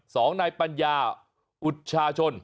สองนายปัญญาอุจชาชน